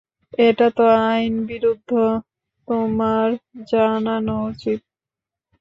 এটাতো আইনবিরুদ্ধ, তোমার জানানো উচিত।